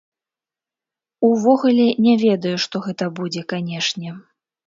Увогуле не ведаю, што гэта будзе, канечне.